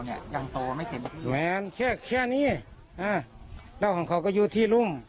ยังโตไม่เต็มแวนแค่แค่นี้อ่าแล้วของเขาก็อยู่ที่รุ่ง